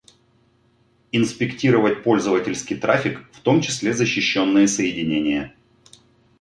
Инспектировать пользовательский траффик, в том числе защищенные соединения